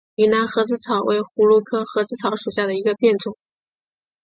云南盒子草为葫芦科盒子草属下的一个变种。